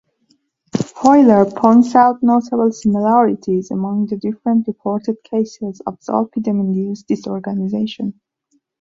Hoyler points out notable similarities among the different reported cases of zolpidem-induced disorganization.